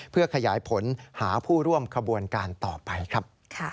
เพื่อขยายผลหาผู้ร่วมขบวนการต่อไปครับ